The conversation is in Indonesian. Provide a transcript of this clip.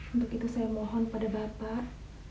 untuk itu saya mohon pada bapak